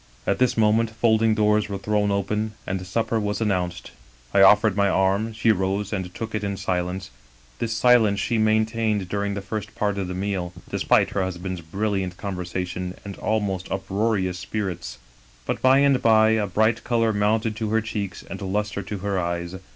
" At this moment folding doors were thrown open, and supper was announced. I offered my arm, she rose and took it in silence. This silence she maintained during the 125 English Mystery Stories first part of the meal, despite her husband's brilliant con versation and almost uproarious spirits. But by and by a bright color mounted to her cheeks and luster to her eyes.